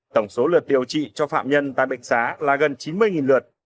tổng số lượt điều trị cho phạm nhân tại bệnh xá là gần chín mươi lượt